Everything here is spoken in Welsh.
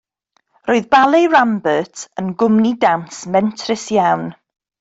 Roedd Ballet Rambert yn gwmni dawns mentrus iawn.